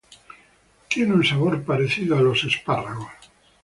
Tiene un sabor parecido a la ternera.